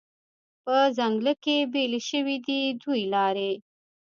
په ځنګله کې بیلې شوې دي دوې لارې